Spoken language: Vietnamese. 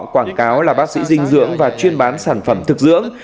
quảng cáo là bác sĩ dinh dưỡng và chuyên bán sản phẩm thực dưỡng